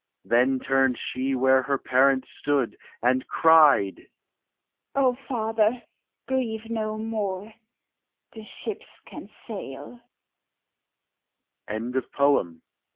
Then turned she where her parent stood, and cried: "O father!